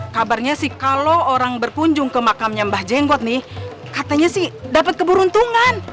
kabarnya sih kalau orang berkunjung ke makamnya mbah jenggot nih katanya sih dapat keberuntungan